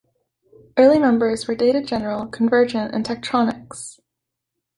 Early members were Data General, Convergent and Tektronics.